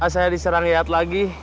saya diserangiat lagi